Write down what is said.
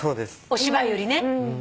お芝居よりね。